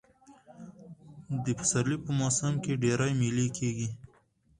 د پسرلي په موسم کښي ډېرئ مېلې کېږي.